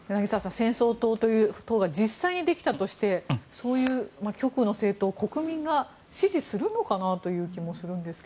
戦争党という党が実際にできたとしてそういう極右の政党を国民が支持するのかな？という気もするんですが。